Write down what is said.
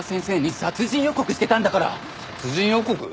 殺人予告？